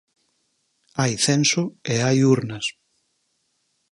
Hai censo e hai urnas.